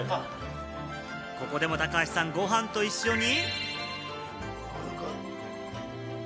ここでも高橋さん、ご飯と一緒に。